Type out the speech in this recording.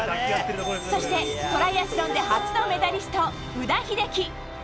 そしてトライアスロンで初のメダリスト・宇田秀生。